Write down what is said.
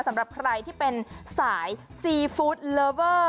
สำหรับใครที่เป็นสายซีฟู้ดเลอเวอร์